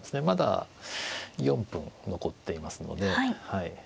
まだ４分残っていますのではい。